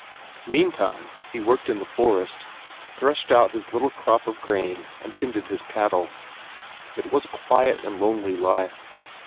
Meantime, he worked in the forest, threshed out his little crop of corn, and tended his cattle. It was a quiet and lonely life.